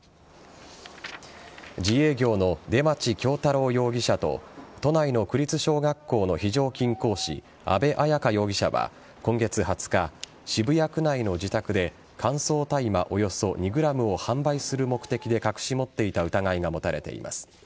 自営業の出町恭太郎容疑者と都内の区立小学校の非常勤講師安部綾香容疑者は今月２０日、渋谷区内の自宅で乾燥大麻およそ２ｇを販売する目的で隠し持っていた疑いが持たれています。